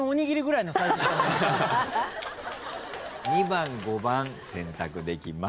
２番５番選択できます。